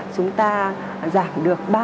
chúng ta giảm được ba